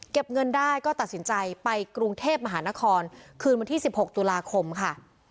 เงินได้ก็ตัดสินใจไปกรุงเทพมหานครคืนวันที่๑๖ตุลาคมค่ะ